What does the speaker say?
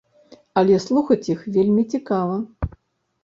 Але слухаць іх вельмі цікава.